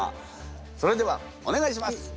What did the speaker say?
それではお願いします。